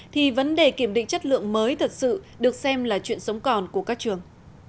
thì vấn đề kiểm định chất lượng mới thật sự được xem là chuyện sống còn của các trường